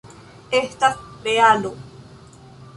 Estas realo.